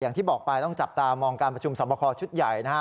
อย่างที่บอกไปต้องจับตามองการประชุมสอบคอชุดใหญ่นะฮะ